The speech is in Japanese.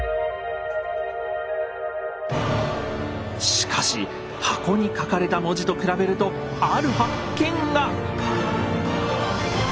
しかし箱に書かれた文字と比べるとある発見が！